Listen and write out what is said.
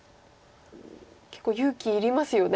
結構勇気いりますよね。